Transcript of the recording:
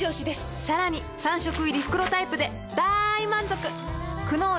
さらに３食入り袋タイプでだーい満足！